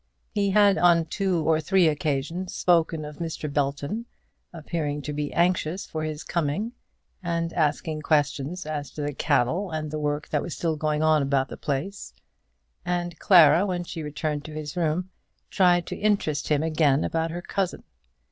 He had on two or three occasions spoken of Mr. Belton, appearing to be anxious for his coming, and asking questions as to the cattle and the work that was still going on about the place; and Clara, when she returned to his room, tried to interest him again about her cousin.